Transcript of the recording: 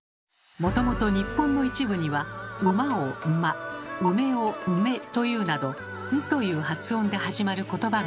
もともと日本の一部には「うま」を「んま」「うめ」を「んめ」と言うなど「ん」という発音で始まることばがありました。